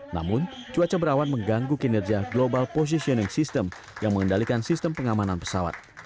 namun cuaca berawan mengganggu kinerja global positioning system yang mengendalikan sistem pengamanan pesawat